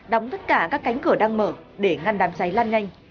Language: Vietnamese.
đóng tất cả các cánh cửa đang mở để ngăn đám cháy lan nhanh